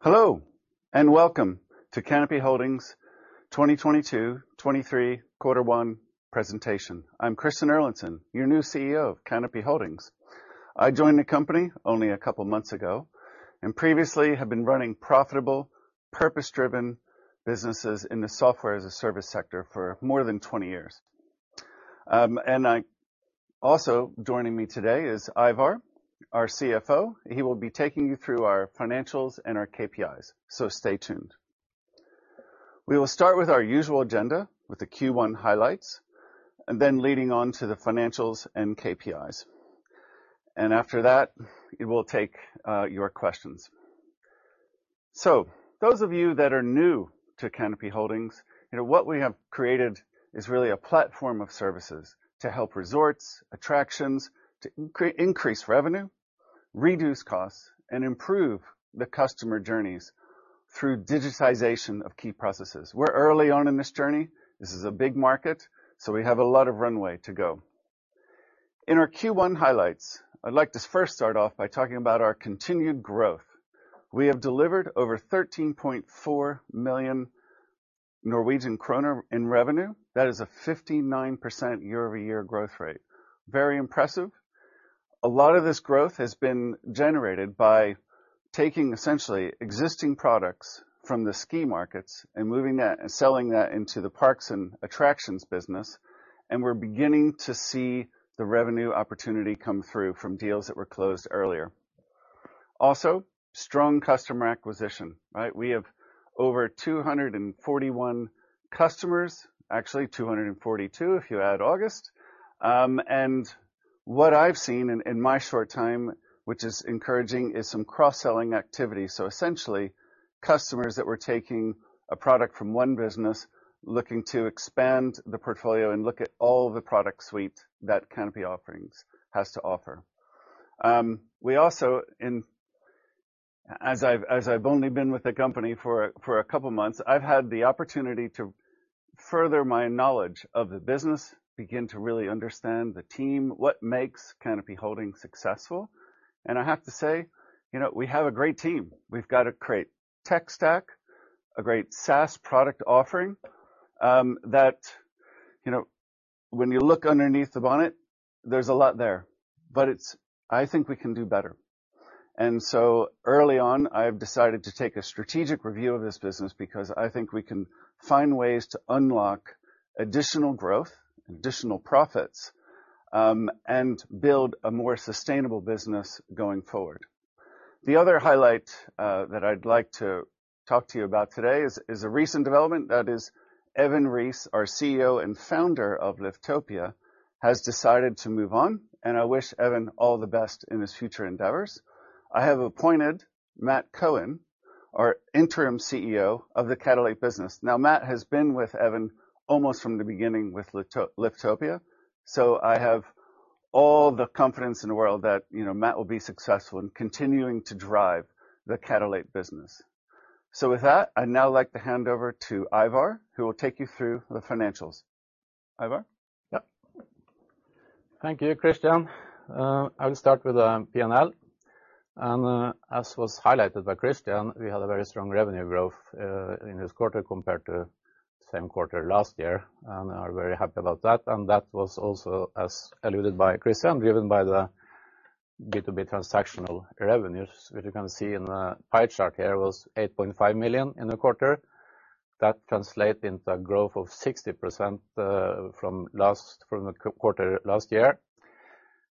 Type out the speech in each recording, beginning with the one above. Hello and welcome to Canopy Holdings 2022-2023 Q1 presentation. I'm Christian Erlandson, your new CEO of Canopy Holdings. I joined the company only a couple of months ago, and previously have been running profitable, Purpose-Driven businesses in the software as a service sector for more than 20 years. Also joining me today is Ivar, our CFO. He will be taking you through our financials and our KPIs, so stay tuned. We will start with our usual agenda with the Q1 highlights and then leading on to the financials and KPIs. After that, it will take your questions. Those of you that are new to Canopy Holdings, you know, what we have created is really a platform of services to help resorts, attractions to increase revenue, reduce costs, and improve the customer journeys through digitization of key processes. We're early on in this journey. This is a big market, so we have a lot of runway to go. In our Q1 highlights, I'd like to first start off by talking about our continued growth. We have delivered over 13.4 million Norwegian kroner in revenue. That is a 59% Year-Over-Year growth rate. Very impressive. A lot of this growth has been generated by taking essentially existing products from the ski markets and moving that and selling that into the parks and attractions business, and we're beginning to see the revenue opportunity come through from deals that were closed earlier. Also, strong customer acquisition, right? We have over 241 customers. Actually 242, if you add August. And what I've seen in my short time, which is encouraging, is some Cross-Selling activity. Essentially, customers that were taking a product from one business, looking to expand the portfolio and look at all the product suite that Canopy Holdings has to offer. As I've only been with the company for a couple of months, I've had the opportunity to further my knowledge of the business, begin to really understand the team, what makes Canopy Holdings successful. I have to say, you know, we have a great team. We've got a great tech stack, a great SaaS product offering, you know, when you look underneath the bonnet, there's a lot there. I think we can do better. Early on, I've decided to take a strategic review of this business because I think we can find ways to unlock additional growth, additional profits, and build a more sustainable business going forward. The other highlight that I'd like to talk to you about today is a recent development. That is Evan Reece, our CEO and founder of Liftopia, has decided to move on, and I wish Evan all the best in his future endeavors. I have appointed Matt Cohen, our interim CEO of the Catalate business. Now, Matt has been with Evan almost from the beginning with Liftopia, so I have all the confidence in the world that, you know, Matt will be successful in continuing to drive the Catalate business. With that, I'd now like to hand over to Ivar, who will take you through the financials. Ivar? Yeah. Thank you, Christian. I'll start with P&L. As was highlighted by Christian, we had a very strong revenue growth in this quarter compared to same quarter last year, and are very happy about that. That was also, as alluded by Christian, driven by the B2B transactional revenues, which you can see in the pie chart here was 8.5 million in the quarter. That translate into a growth of 60% from the quarter last year.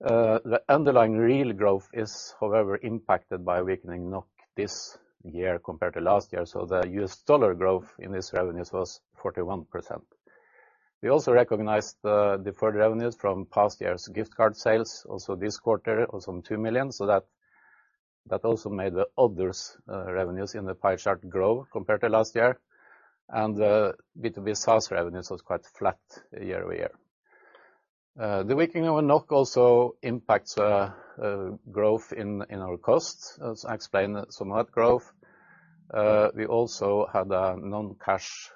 The underlying real growth is, however, impacted by a weakening NOK this year compared to last year. The US dollar growth in this revenues was 41%. We also recognized the deferred revenues from past year's gift card sales, also this quarter of some 2 million. That also made the other revenues in the pie chart grow compared to last year. B2B SaaS revenues was quite flat year-over-year. The weakening of NOK also impacts growth in our costs, as I explained, some of that growth. We also had a Non-Cash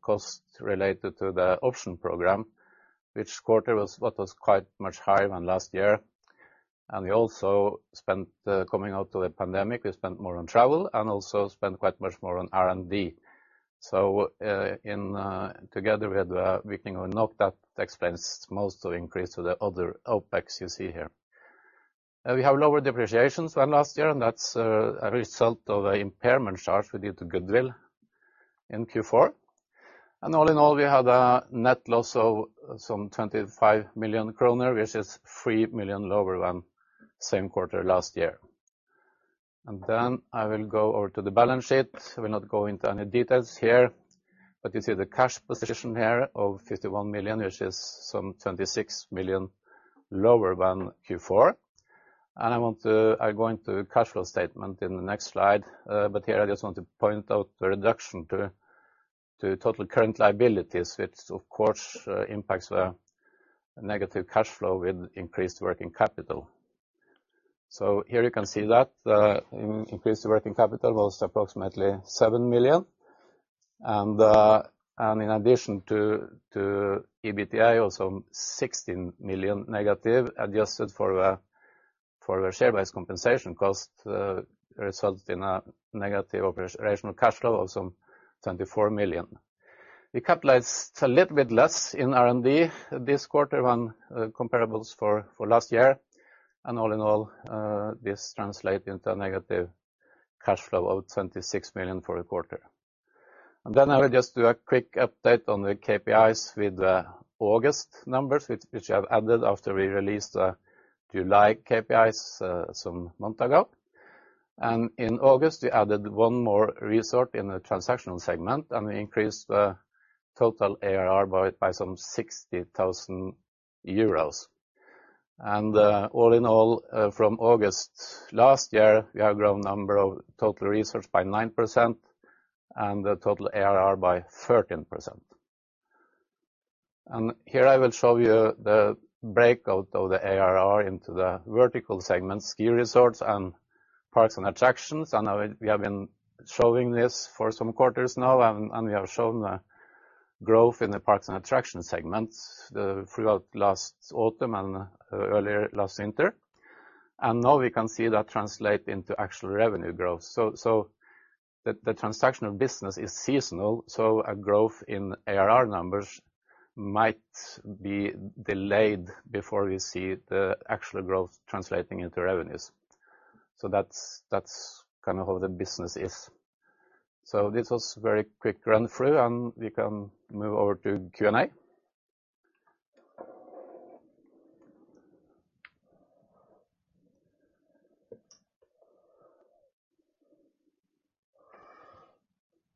cost related to the option program, which was quite much higher than last year. We also spent, coming out of the pandemic, we spent more on travel and also spent quite much more on R&D. Together with the weakening of NOK, that explains most of increase to the other OPEX you see here. We have lower depreciations than last year, and that's a result of a impairment charge we did to goodwill in Q4. All in all, we had a net loss of some 25 million kroner, which is 3 million lower than same quarter last year. I will go over to the balance sheet. I will not go into any details here, but you see the cash position here of 51 million, which is some 26 million lower than Q4. I want to. I'll go into cash flow statement in the next slide. But here I just want to point out the reduction to total current liabilities, which of course impacts the negative cash flow with increased working capital. Here you can see that an increased working capital was approximately 7 million. In addition to EBITDA also 16 million negative adjusted for the share-based compensation cost results in a negative operational cash flow of some 24 million. We capitalized a little bit less in R&D this quarter on comparables for last year. All in all, this translate into a negative cash flow of 26 million for the quarter. Then I will just do a quick update on the KPIs with the August numbers, which I've added after we released the July KPIs some months ago. In August, we added one more resort in the transactional segment, and we increased the total ARR by some 60,000 NOK. All in all, from August last year, we have grown number of total resorts by 9% and the total ARR by 13%. Here I will show you the breakdown of the ARR into the vertical segment, ski resorts and parks and attractions. We have been showing this for some quarters now, and we have shown the growth in the parks and attraction segments throughout last autumn and earlier last winter. Now we can see that translate into actual revenue growth. The transactional business is seasonal, so a growth in ARR numbers might be delayed before we see the actual growth translating into revenues. That's kind of how the business is. This was very quick run through, and we can move over to Q&A.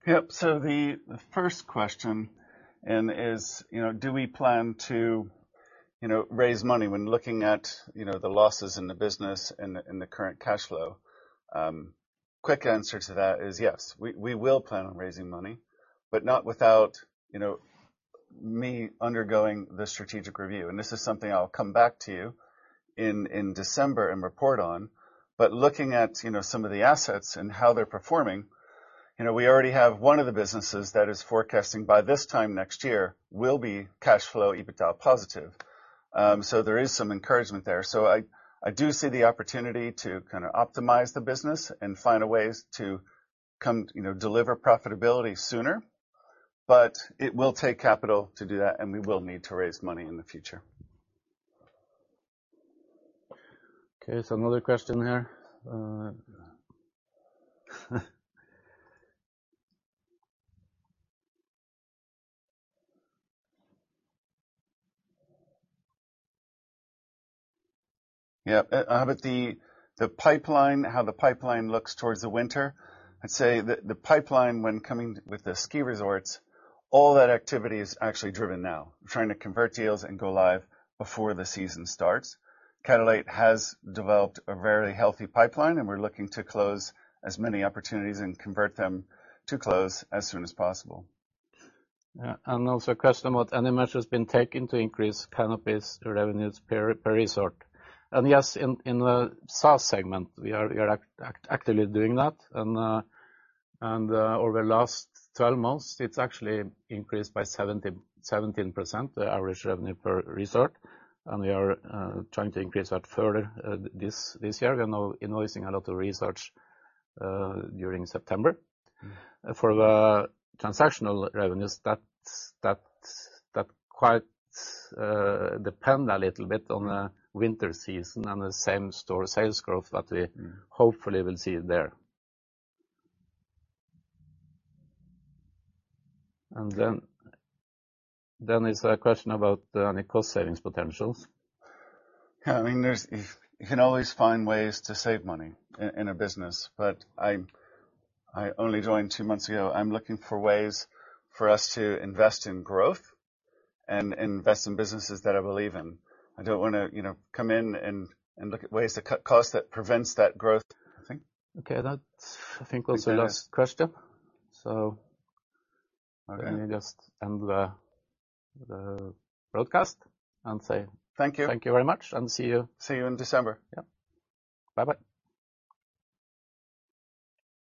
Yep. The first question is, you know, do we plan to, you know, raise money when looking at, you know, the losses in the business and the current cash flow? Quick answer to that is yes. We will plan on raising money, but not without, you know, me undergoing the strategic review. This is something I'll come back to you in December and report on. Looking at, you know, some of the assets and how they're performing, you know, we already have one of the businesses that is forecasting by this time next year will be cash flow EBITDA positive. There is some encouragement there. I do see the opportunity to kinda optimize the business and find a ways to come, you know, deliver profitability sooner. It will take capital to do that, and we will need to raise money in the future. Okay, another question here. Yeah. How about the pipeline, how the pipeline looks towards the winter? I'd say the pipeline when it comes to the ski resorts, all that activity is actually driven now. We're trying to convert deals and go live before the season starts. Catalate has developed a very healthy pipeline, and we're looking to close as many opportunities and convert them to close as soon as possible. Yeah. Also a question about any measures being taken to increase Canopy's revenues per resort. Yes, in the SaaS segment, we are actively doing that. Over the last 12 months, it's actually increased by 17% the average revenue per resort. We are trying to increase that further this year. We're now invoicing a lot of resorts during September. For the transactional revenues, that's quite dependent a little bit on the winter season and the same-store sales growth that we hopefully will see there. Then it's a question about any cost savings potentials. Yeah. I mean, there's you can always find ways to save money in a business. I only joined two months ago. I'm looking for ways for us to invest in growth and invest in businesses that I believe in. I don't wanna, you know, come in and look at ways to cut costs that prevents that growth, I think. Okay. That's I think also last question. I'm gonna just end the broadcast and say. Thank you. Thank you very much, and see you. See you in December. Yep. Bye-Bye.